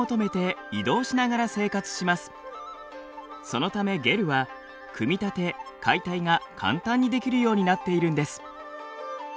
そのためゲルは組み立て・解体が簡単にできるようになっているんです。